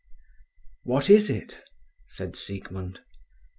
"What is it?" said Siegmund.